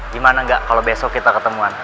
gimana gak kalo besok kita ketemuan